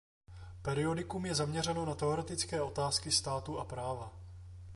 Periodikum je zaměřeno na teoretické otázky státu a práva.